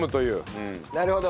なるほど。